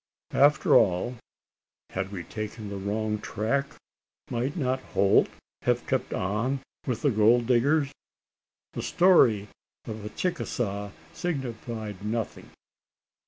After all, had we taken the wrong track? Might not Holt have kept on with the gold diggers? The story of the Chicasa signified nothing.